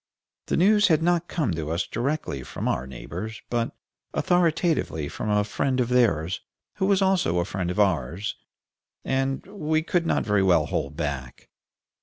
The news had not come to us directly from our neighbors, but authoritatively from a friend of theirs, who was also a friend of ours, and we could not very well hold back.